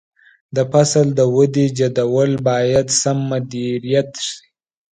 د فصل د ودې جدول باید سم مدیریت شي.